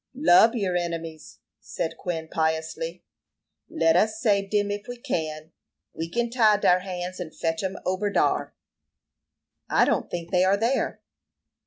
"'Lub your enemies,'" said Quin, piously. "Let us sabe dem if we can. We kin tie dar hands and fotch 'em ober dar." "I don't think they are there."